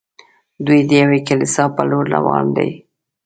دوی د یوې کلیسا پر لور روان دي.